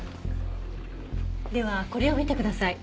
ではこれを見てください。